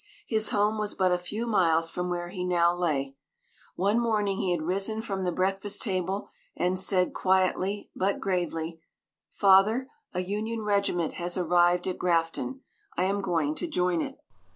His home was but a few miles from where he now lay. One morning he had risen from the breakfast table and said, quietly but gravely: "Father, a Union regiment has arrived at Grafton. I am going to join it."